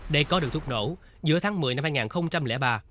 để có được thuốc nổ giữa tháng một mươi năm hai nghìn ba